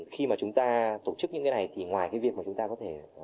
khi mà chúng ta tổ chức những cái này thì ngoài cái việc mà chúng ta có thể